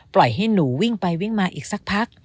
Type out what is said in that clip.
ปล่อยให้หนูวิ่งไปวิ่งมาอีกสักพัก